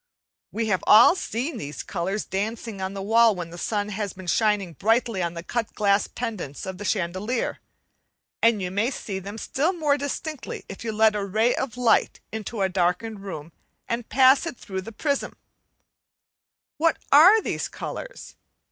We have all seen these colours dancing on the wall when the sun has been shining brightly on the cut glass pendants of the chandelier, and you may see them still more distinctly if you let a ray of light into a darkened room, and pass it through the prism as in the diagram (Fig. 7). What are these colours?